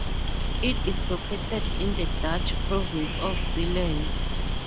It is located in the Dutch province of Zeeland.